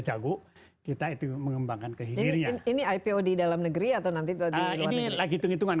jauh kita itu mengembangkan ke ini ya ini ipo di dalam negeri atau nanti lagi hitung hitungan